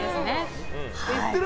行ってる？